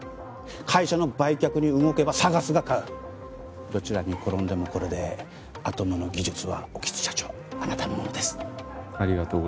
会社の売却に動けばＳＡＧＡＳが買うどちらに転んでもこれでアトムの技術は興津社長あなたのものですありがとう